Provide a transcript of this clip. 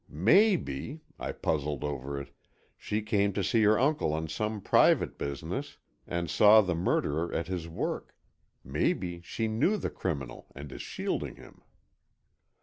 "Maybe," I puzzled over it, "she came to see her uncle on some private business, and saw the murderer at his work. Maybe she knew the criminal, and is shielding him."